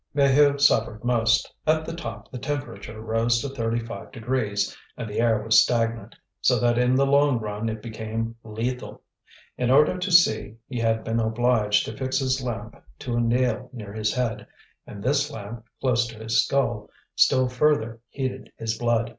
Maheu suffered most. At the top the temperature rose to thirty five degrees, and the air was stagnant, so that in the long run it became lethal. In order to see, he had been obliged to fix his lamp to a nail near his head, and this lamp, close to his skull, still further heated his blood.